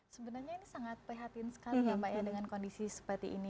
sebenarnya ini sangat perhatian sekali dengan kondisi seperti ini